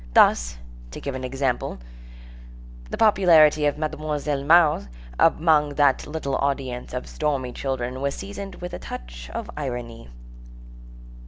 Thus, to give an example, the popularity of Mademoiselle Mars among that little audience of stormy children was seasoned with a touch of irony.